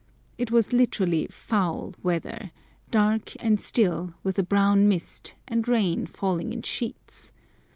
It was literally "foul weather," dark and still, with a brown mist, and rain falling in sheets.